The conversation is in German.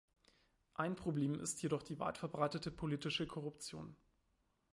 Ein Problem ist jedoch die weitverbreitete politische Korruption.